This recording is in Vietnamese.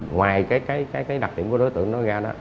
ngoài cái đặc điểm của đối tượng nó ra đó